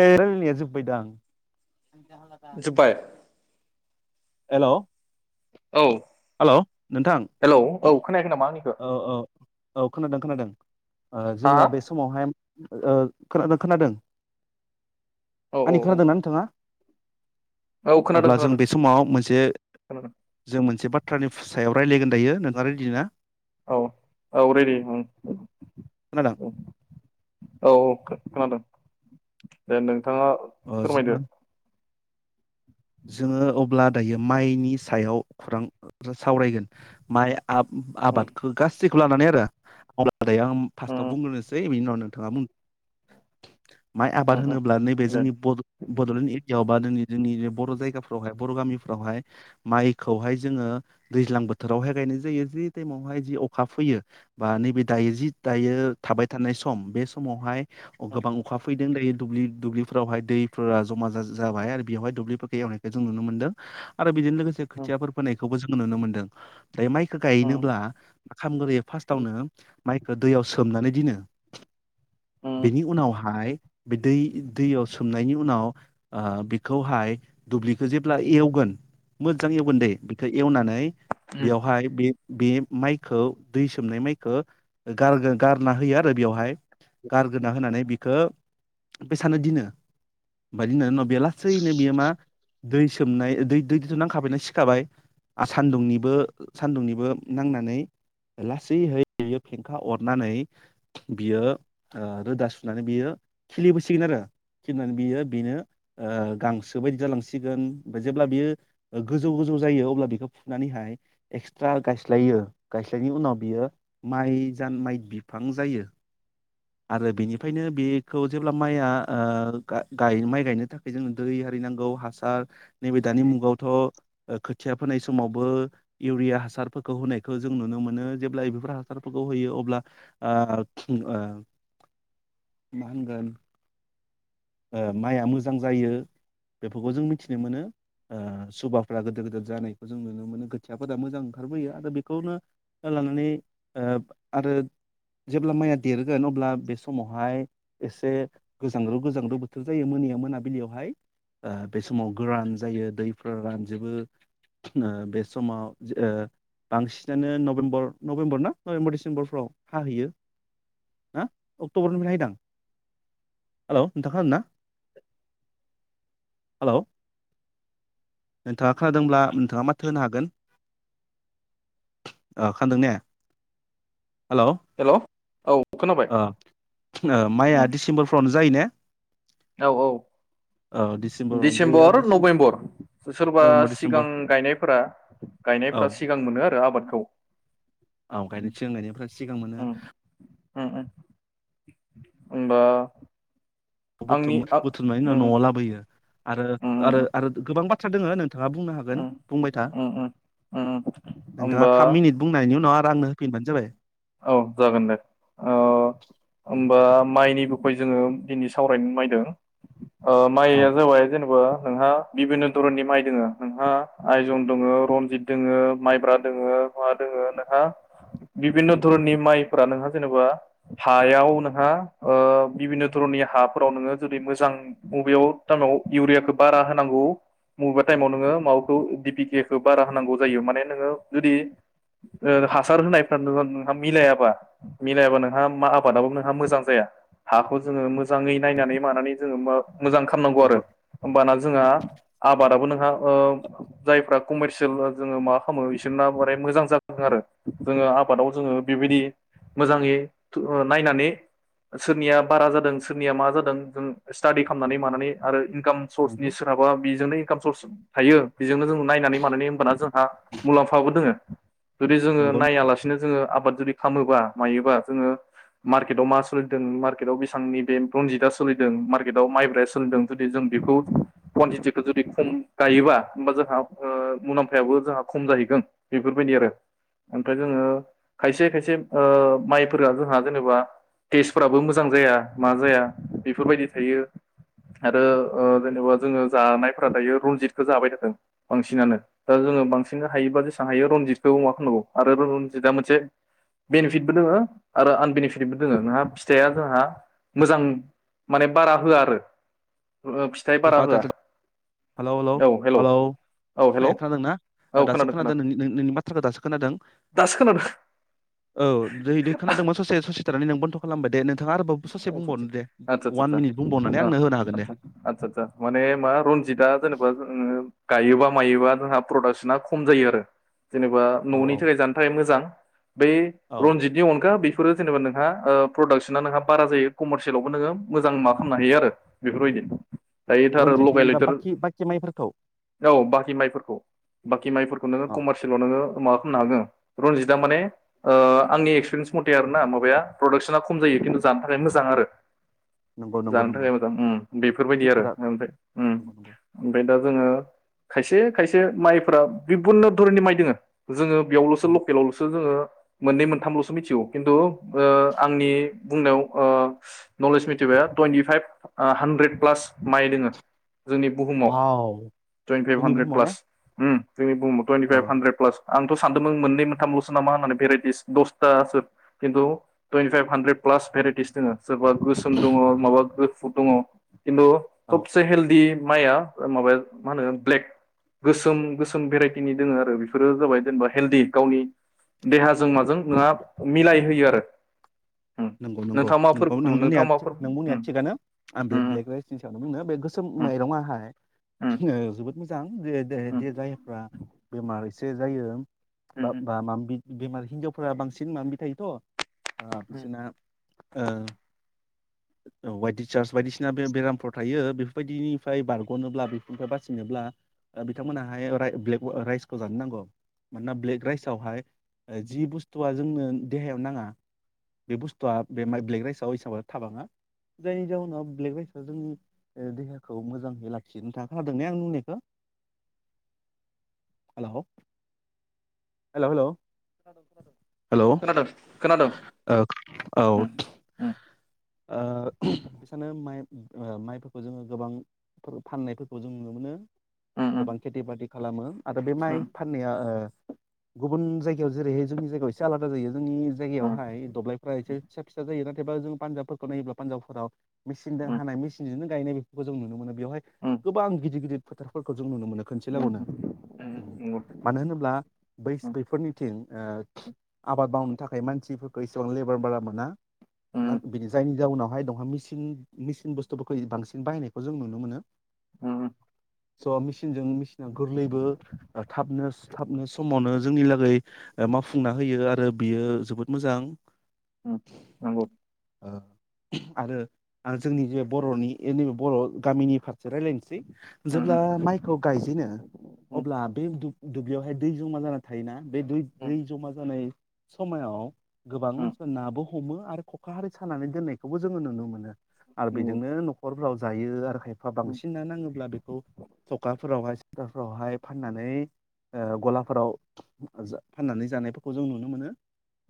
ए रायलनाया जोबबायदां [unintelligible] जोब्बाय हेल' औ हेल' नोंथां हेल' औ खोनाखै नामा? आंनिखौ औ -औ -औ खोनादों -खोनादों हा जोङो बे समावहाय ओ खोनादों - खोनादों औ औ आंनि खोनादोंना नोंथाङा? औ खोनादों अब्ला जों खोनादों बे समाव मोनसे खोनादों जों मोनसे बाथ्रानि सायाव रायलायगोन दायो नों ओरिदि ना? औ - औ रेडि बुं खोनादों औ खोनादों। दे नो नोंथाङा अ जोङो फोरमायदो। जोङो अब्ला दायो माइनि सायाव खुरां सावरायगोन माइ आब उम आबादखौ गासै लानानै आरो - आरो दायो आं फार्स्टआव उम बुंग्रोनोसै एनिउनावनो थाङाबुं माइ आबाद उम उम होनोब्ला नैबे दे जोंनि बड बड'लेण्ड एरियाव बा दिनै - दिनै ए बर' जायगाफ्रावहाय बर' गामिफ्रावहाय माइखौहाय जोङो दैज्लां बोथोरावहाय गायनाय जायो ।जिने तेने जि अखा फैयो बा नैबे दायो जि उम दायो थाबाय थानाय सम बे समावहाय उम गोबां अखा फैदों दायो दु दुब्लिफोरावहाय दैफोरा जमा जा जाबाय आरो बेयावहाय दुब्लि एवनायखौ जों नुनो मोनदों आरो बिदों लोगोसे उम खोथियाफोर फोनायखौबो जों नुनो मोनदों फाय मायखौ उम गायनोब्ला खामगोयो फार्चतावनो माय दैयाव सोमनानै दिनो। उम बेनि उनावहाय बे दै दैयाव सोमनायनि उनाव ओ बिखौहाय दुब्लिखौ जेब्ला एवगोन मोजां एवगोन दै बेखौ एवनानै नै उम बेयावहाय बे बे माइखौ दै सोमनाय माइखौ गार-गारना होयो आरो बेवहाय गारगोना होनानै बेखौ बेसानो दिनो ओमफाय दिननायनि उनाव बेलासैनो बियो मा दै सोमनाय दै दैथ' नांखाबायना सिखाबाय आरो सान्दुंनिबो - सान्दुंनिबो नांनानै लासैहै बियो फेंखा अरनानै बियो ओ रोदा सुनानै बियो खिलिबोसिगोन आरो खिलिनानै बियो बेनो ओ गांसो बायदि जालांसिगोन सिगोन जेब्ला बियो गोजौ - गोजौ जायो अब्ला बेखौ फुनानैहाय एक्सट्रा गायसलायो गायसलायनाय उनाव बियो माय जा माय बिफां जायो आरो बेनिफ्रायनो बेखौ जेब्ला माया ओ गाय माय गायनो थाखाय जों दै हारि नांगौ हास ओ नैबे दानि मुगावथ' खोथिया फोनाय समावबो इउरिया हासारफोरखौ होनायखौ जों नुनो मोनो जेब्ला बेफोर हासारफोरखौ होयो अब्ला आ माहोनगोन ओ माइआ मोजां जायो बेफोरखौ जों मिथिनो मोनो ओ सुबाफ्रा गोदोर गोदोर जानायखौ जों नुनो मोनो खोथियाफोरा मोजां ओंखारबोयो आरो बेखौनो लानानै ओ आरो जेब्ला माइया देरगोन अब्ला बे समावहाय एसे गोजांग्रु गोजांग्रु बोथोर जायो मोनायाव मोनाबिलियावहाय ओ बे समाव गोरान जायो दैफोर रानजोबो बे समाव ओ बांसिनानो नभेम्बर - नभेम्बर ना नभेम्बर डिसेम्बरफ्राव हाहैयो ओ अक्ट'बरनिफ्राय हायोदां हेल' नोंथांआ खोनादों ना? हेलौ नोंथाङा खोनादोंब्ला नोंथाङा माथो होनो हागोन? खोनादों ने? हेल'ओह हेलौ औ खोनाबाय ओ माइया उम दिसेम्बर जायो ने? औ औ। डिसेम्बरावनो जायो दिसेम्बर डिसेम नभेम्बर। सोरबा नभेम्बर सिगां डिसेम्बर गायनायफोरा़ - औ गायनायफोरा सिगां मोनो आरो आबाद औ। औ गायनोसैग आ गायनायफ्रा सिगां मोनो उम उम होनबा बुथुम-बुथुमनायनि उनाव न'आव लाबोयो आरो आरो उम आरो गोबां बाथ सोर दोङोनो नोंथाङा बुंनो हागोन उम बुंबाय था। उम उम उम नोंथाङा होमबा थाम मिनिट बुंनायनि उनाव आरो आंनो होफिनबानो जाबाय। औ जागोन दे औ होमबा माइनि बै जोङो दिनै सावरायनो मायदों ओह औ माइया जाबाय जेनेबा नोंहा बिभिन्न' धरननि माइ दोङो नोंहा आयजन दोङो रनजित दोङो माइब्रा दोङो मा दोङो नोंहा बिभिन्न' धरननि माइफोरा नोंहा जेनेबा हायाव नोंहा ओह बिभिन्न' धरननि हाफोराव नोङो जुदि मोजां बबेयाव टामाव इउरियाखौ बारा होनांगौ मबेबा टाइमाव नोङो माबाखौ डि पि के खौ बारा होनांगौ जायो माने नोङो जुदि ओह हासार होनायफा हा मिलायाबा मिलायाबा नोंहा मा आबादाबो नोंहा मोजां जाया । हाखौ जोङो मोजाङै नायनानै मानानै जोङो मा मोजां खालामनांगौ आरो नंगौ होमबाना जोंहा आबादाबो नों फ्रा ओह जायफोरा कमारसियेल जोङो माबा खालामो बिसोरना बारे मोजां जाखांङो आरो जोङो आबादाव जोङो बेबायदि मोजाङै ओह नायनानै सोरनिया बारा जादों सोरनिया मा जादों जों स्टाडि खालामनानै मानानै आरो इनकाम नंगौ सर्सनि सोरहाबा बेजोंनो इनकाम सर्स थायो बेजोंनो जों नायनानै मानानै होनोमबाना जोंहा मुलाम्फाबो दोङो । जुदि जोङो नंगौ नायालासिनो जोङो आबाद जुदि खामोबा मायोबा जोङो मार्केटआव मा सोलिदों मार्केटआव बेबांनि बे रनजितआ सोलिदों मार्केटआव माइब्राया सोलिदों जुदि जों बेखौ कुवानटिटिखौ जुदि खम गायोबा हबा जोंहा ओह मुलाम्फायाबो जोंहा खम जाहैगोन बेफोरबायदि आरो ओमफ्राय जोङो खायसे खायसे ओह माइफोरा जोंहा जेनेबा टेस्टफ्राबो मोजां जाया मा जाया बेफोरबायदि थायो आरो ओह जेनेबा जोङो जानायफोरा दायो रनजितखौजाबाय थाथों बांसिनानो दा जोङो बांसिन हायोबा जेसेबां हायो रनजितखौ मा खालामनांगौ आरो रनजितआ मोनसे बेनिफिटबो दोङो आरो आनबेनिफिटबो दोङो नोंहा फिथाइया जोंहा मोजां माने बारा होआ आरो ओ फिथाइ बारा होआ बादद हालौ हालौ औ हेलौ हालौ औ ए हेलौ खोनादोंना ओह दासो खोनादों नोंनि नोंनि माथ्राखौ दासो खोनादों दासो खोनादों औ दै दै खोनादोंमोन ससे सिथनानै नों बन्द' खालामबाय दे नों नोंथाङा आरोबाव ससे आदसा बुंबावनो दे आदसा अवान मिनिट बुंबावनानै आंनो होनो हागोन दे आतसा आतसा माने मा रनजितआ जेनेबा जोङो गायोबा मायोबा जोंहा प्रडाक्सना खम जायो आरो जेनेबा औ न'नि औ थाखाय जानो थाखाय मोजां बेै औ रनजितनि अनगा बि फोरो जेनबा नोंथांङा ओ प्रडाक्सना नोंहा बारा जायो कमारसियेलावबो नोङो मोजां मा खालामनो हायो आरो बेफोरबायदि दायोथार रनजितनि लगाय अनगा लेथर बाखि बाखि माइफोरखौ औ बाखि माइफोरखौ बाखि माइफोरखौ नोङो अ कमारसियेलाव नोङो मा खालामनो हागौ रनजितआ माने ओ आंनि एक्सपिरिन्स मथे आरोना माबाया प्रदाक्सना खम जायो खिन्थु जानो थाखाय मोजां आरो नंगौ नंगौ जानो नंगौ थाखाय मोजां ओम बेफोरबायदि थिग आरो खोथा ओमफ्राय ओम नंगौ नंगौ ओमफ्राय दा जोङो खायसे खायसे माइफोरा बिभनन धरननि माइ दोङो जोङो बेयावलसो नंगौ लकेलावलसो जोङो मोननै मोनथामलसो मिथिगौ खिन्थु ओ आंनि बुंनायाव ओ नलेज मिथिबाय टुइन्टि फाइभ हान्ड्रेद प्लास माइ दोङो जोंनि बुहुमाव वाव टुइन्टि फाइभ जोंनि हानद्रेद बुहुमाव ने प्लास ओम जोंनि भुहुमाव थुइथि औ पाइप हान्द्रेद फ्लास आंथ सानदोंमोन मोननै मोनथामलसो नामा होननानै भेरेसटिस दसथासो खिन्थु टुइनटिफाइभ हानद्रेद प्लास भेराइटिस दोङो सोरबा गोसोम दङ माबा गो फुट दंङ खिन्थु औ सबसे हेल्दि माइआ ओ माबाया मा होनो ब्लेक गोसोम गोसोम भेराइटिनि दङो आरो बेफोरो जाबाय जेनेबा हेलदि गावनि देहाजों माजों नोंहा मिलाय होयो आरो उम नोंगौ नोंगौ नोंथाङा माफोर नोंगौ नों बुंनाया नोंथाङा थिग माफोर नों बुंनाया उम थिगानो आ ब्लेक उम ब्लेकगै राइसनि सायाव बुंनो बे गोसोम उम माइरंआहाय उम जोबोद मोजां [unintelligible] दे दे उम दे जायफ्रा बेमार से जायो। बा उम बा मामबि बेमार हिनजावफोरा बांसिन मामबि थायोथ ओ उम बिसोरना ओ औ वाइट डिसार्स बायदिसिना बे बेरामफ्राव थायो बेफोर बायदिनिफ्राय बारगनोब्ला बेफोरनिफ्राय बासिनोब्ला ओ बिथांमोनाहाय राय ब्लेक राइसखौ जानो नांगौ मानोना ब्लेक राइसावहाय ओ जि बुस्थुआ जोंनो देहायाव नाङा। बे बुस्थुआ बे माइ ब्लेक राइसआव हिसाबाव थाबाङा जायनि जाउनाव ब्लेक राइसआ जोंनि ओ देहाखौ मोजाङै लाखिनो थाखाय खोनादों ने आं बुंनायखौ हेलौ हेलौ हेलौ। खोनादों खोनादों। औ औ उम उम ओ बिसानो माइ ओ माइफोरखौ जोङो गोबां फोर फाननायफोरखौ जों नुनो मोनो। गोबां खेथि बाथि खालामो। आरो बे माइ फाननाया ओ गुबुन जायगायाव जेरैहाय जोंनि जायगायाव एसे आलादा जायो। जोंनि जायगायावहाय [unintelligible] जायो नाथायबा जों पान्जाफोरखौ नायोब्ला पान्जाबफोराव मेसिनदो हानाय मेसिनजोंनो गायनाय बेफोरखौ जों नुनो मोनो। बेवहाय गोबां गिदिर गिदिर फोथारफोरखो जों नुनो मोनो खोनसे लागावनो मानो होनोब्ला बैस्क्रिफोरनिथिं ओ आबाद माव थाखाय मानसिफोर एसेबां लेबार बारा मोना। मा बिनि जायनि जाउनाव बेहाय दंहा मिसिन मिसिन बुस्थुफोरखौ बांसिन बाहायनायखौ जों नुनो मोनो। उम स' मेसिनजों मेसिना गोरलैबो थाबनो थाबनो समावनो जोंनि लागै मावफुंना होयो आरो बियो जोबोद मोजां। [inaudible] उम नंगौ। ओ आरो जोंनि जे बर'नि नैबे बर' गामिनि फारसे रायलायनोसै। सै जेब्ला माइखौ गायजेनो अब्ला बे दुब्लियावहाय दै जमा जाना थायोना। बे दै-दै जमा जानाय समायाव गोबां मानसिफोरना हमो आरो ख'खा हारि सानानै दोननायखौबो जोङो नुनो मोनो आरो बेजोंनो न'खरफ्राव जायो आरो खायफा बांसिन ना नाङोब्ला बेखौ थखाफोराव फोरावहाय फाननानै ओ गलाफोराव फाननानै जानायफोरखौ जों नुनो मोनो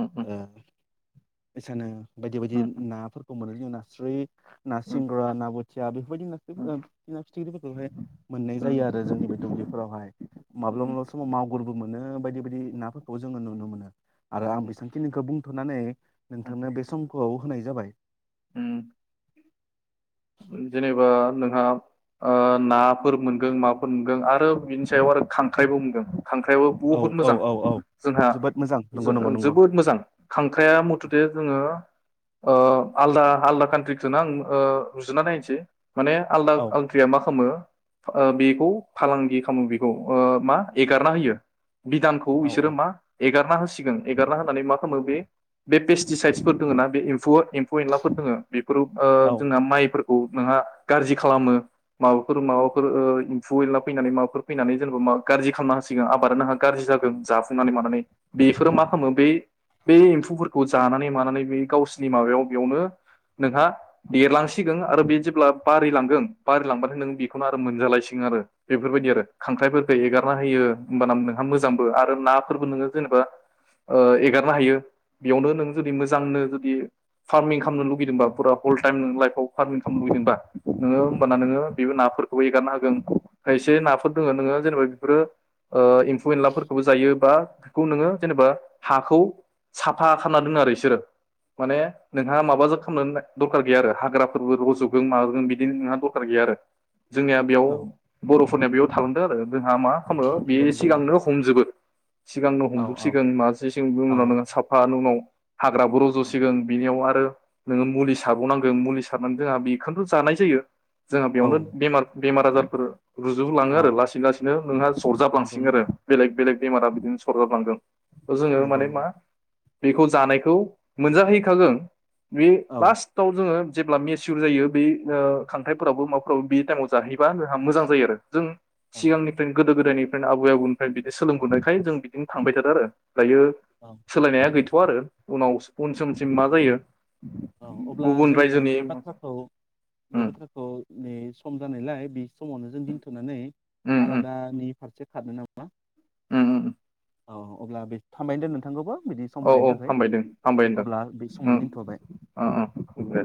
उम-उम एसानो बायदि बायदि नाफोर कुमल नारस्रि [unintelligible] [inaudible] ना सिंगोरा ना बो जा बेफोरायदि ना ओ ना फिथिख्रिफोरखौहाय मोननाय जायो आरो जोंनि बे दुब्लिफोरावहाय माब्लाबा माब्लाबा समाव मगुरबो मोनो बायदि बायदि नाफोरखौ जोङो नुनो मोनो आरो आं बे बुंथ'नानै नोंथांनो बे सम औ होनाय जाबाय। अम। जेनेबा नोंहा नाफोर मोनगोन माफोर मोनगोन आरो बिनि सायाव आरो खांख्राइबो मोनगोन। खांख्राइाबो औ बुहुद औ मोजां औ औ जोंहा जोबोद मोजां नंगौ नंगौ नंगौ जोबोद मोजां खांख्राइाया मथदे जोङो अ आलदा -आलदा कान्ट्रिसोन आं रुजुना नायनोसै माने आलदा औ कानत्तिआ मा खालामो बेखौ फालांगि खालामो बेखौ मा एगारना होयो। बिधानखौ औ बिसोरो औ मा एगार' -गारना होसिगोन एगारना होनानै मा खालामो बे पेस्टिसाइदसफोर दङ ना बे एम्फौ एम्फौ -एनलाफोर दोङो बेफोराव औ जोंना माइ फोरखौ नोंहा गारजि खालामो माबाफोर -माबाफोर अ एम्फौ - ऐनला फैनानै माबाफोर जेनेबा गाज्रि खालामना होसिगोन आबादा नोंहा गारजि जादों जाफूनानै मानानै बेफोरो मा खामो बे-बे एमबु फोरखौ जानानै मानानै बै गावसिनि माबायाव नोंहा देरलांसिगोन सिगोन आरो बे जेब्ला बारि लांगोन -बारि लांबानो नों बेखौनो आरो मोनजालायसिगोन आरो बेफोरबायदि आरो खांख्राइफोरखौ एगारना होयो होमबाना नोंहा मोजांबो आरो नाफोरबो नोङो जेनेबा एगारनो हायो बेयावनो नों जुदि मोजांनो जुदि फार्मिं खालामनो लुगैदोंबा फुरा हल टाइम नों लाइफआव फारमिन खालाम लुबैदोंबा नोङो होमबाना नोङो बे नाफोरखौबो एगारनो हागोन खायसे नाफोर दङो नोङो जेनेबा बेफोरो एम्फौ -एनलाफोरखौबो जायो बा बेखौ नोङो जेनेबा हाखौ साफा खालामना दोनो आरो बिसोरो माने नोंहा माबाजों खालामनानै दरखार गैया आरो हाग्रा फोरबो रज'गोन माबोगोन बिदिनो नोंहा दरखार गैया आरो। जोंनिया बेयाव नंगौ बर'फोरनिया बेयाव थालां खोनादों? जोंहा मा खालामो बे नंगौ नंगौ सिगांनो औ हमजोबो सिगांनो औ औ हमजोबसिगोन माग बिनि औ उनावों साफानि उनाव हाग्राबो औ रज'सिगोन बिनियाव आरो नोङो मुलि सारबाव नांगोन मुलि सारनानै जोंहा बेखौथ' जानाय जायो। जोंहा बेयावनो बेमार बेमार आजारफोर रुजुलाङो औ आरो लासै लासैनो नोंहा नंगौ सरजाबलांसिं आरो नंगौ बेलेग बेलेग बेमारा बिदिनो सरजाब लांदों। जोङो नंगौ माने मा नंगौ बेखौ जानायखौ मोनजाहैखागोन। बे औ लास्टाव जोङो जेब्ला मेचियर जायो बै ओ खांख्राइफोरावबो माबाफोराबो बे टाइमाव जाहैबा जोंहा मोजां जायो आरो जों औ सिगांनिफ्रायनो गोदो गोदायनि फ्रायनो आबै आबौनिफ्राय बिदि सोलोंबोनायखाय जों बिदिनो थांबाय थादो आरो दायो औ सोलायनाया गै थ'आ आरो उनाव उन समसिम मा जायो औ अब्ला गुबुन जों जोङो रायजोनि बे उम बाथ्राखौ बे उम बाथ्राखौ नै सम जानायलाय बि समावनो जों दिनथ'नानै उम आलादानि फारसे खारनो नां [unintelligible] उम उम औ अब्ला बे थामबायनो दे नोंथांखोबो। औ औ हामबायदों हामबाय होनदों बे समावनो दोनथ'बाय उम उम दे